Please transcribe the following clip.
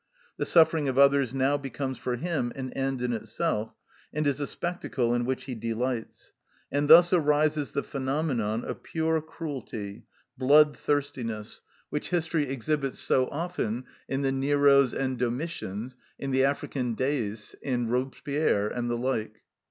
The suffering of others now becomes for him an end in itself, and is a spectacle in which he delights; and thus arises the phenomenon of pure cruelty, blood thirstiness, which history exhibits so often in the Neros and Domitians, in the African Deis, in Robespierre, and the like.